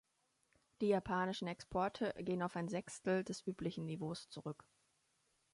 Die japanischen Exporte gehen auf ein Sechstel des üblichen Niveaus zurück.